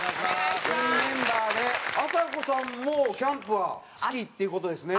あさこさんもキャンプは好きっていう事ですね？